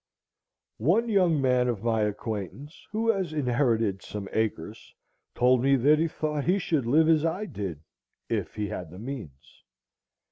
One young man of my acquaintance, who has inherited some acres, told me that he thought he should live as I did, if he had the means.